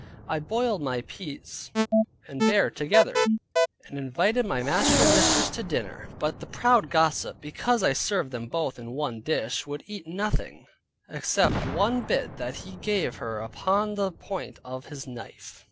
I boiled my peas and bear together, and invited my master and mistress to dinner; but the proud gossip, because I served them both in one dish, would eat nothing, except one bit that he gave her upon the point of his knife.